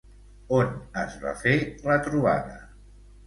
On es va fer la trobada?